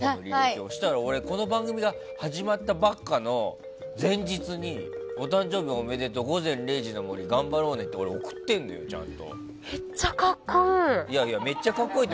そしたらこの番組が始まったばかりの前日にお誕生日おめでとう「午前０時の森」頑張ろうねってめっちゃ格好いい。